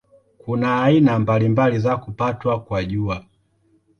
Kuna aina mbalimbali za kupatwa kwa Jua.